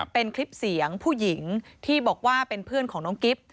เป็นคลิปเสียงผู้หญิงที่บอกว่าเป็นเพื่อนของน้องกิฟต์